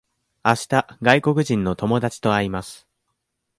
あした外国人の友達と会います。